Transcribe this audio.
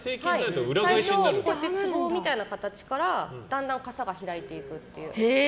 最初、つぼみたいな形からだんだんかさが開いていくという。